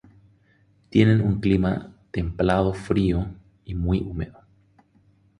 Tienen un clima templado-frío y muy húmedo.